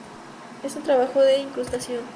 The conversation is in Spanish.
Es un trabajo de incrustación.